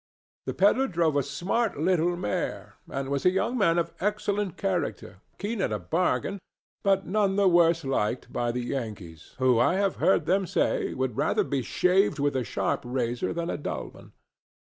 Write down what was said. The pedler drove a smart little mare and was a young man of excellent character, keen at a bargain, but none the worse liked by the Yankees, who, as I have heard them say, would rather be shaved with a sharp razor than a dull one.